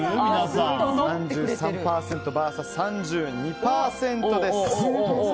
３３％ＶＳ３２％です。